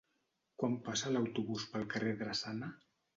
Quan passa l'autobús pel carrer Drassana?